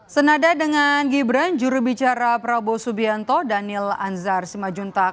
senada dengan gibran jurubicara prabowo subianto daniel anzar simajuntak